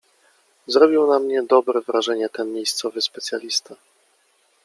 "Zrobił na mnie dobre wrażenie ten miejscowy specjalista."